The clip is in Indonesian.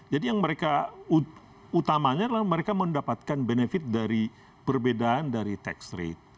jadi yang mereka utamanya adalah mereka mendapatkan benefit dari perbedaan dari tax rate